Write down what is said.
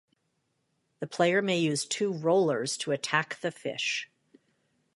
The player may use two "rollers" to attack the fish.